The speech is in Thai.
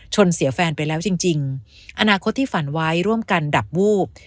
เสียแฟนไปแล้วจริงอนาคตที่ฝันไว้ร่วมกันดับวูบ